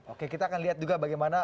oke kita akan lihat juga bagaimana